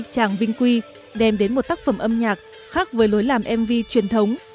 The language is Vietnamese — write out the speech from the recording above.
tràng vinh quy đem đến một tác phẩm âm nhạc khác với lối làm mv truyền thống